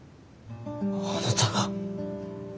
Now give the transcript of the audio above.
あなたが。